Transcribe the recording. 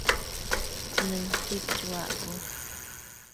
Nënquid chuaccosh